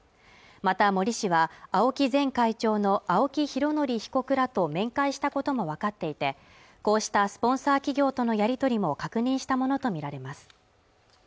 また森氏はＡＯＫＩ前会長の青木拡憲被告らと面会したこともわかっていてこうしたスポンサー企業とのやり取りも確認したものと見られます